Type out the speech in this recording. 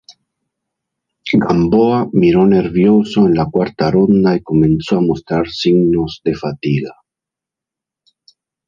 Gamboa miró nervioso en la cuarta ronda y comenzó a mostrar signos de fatiga.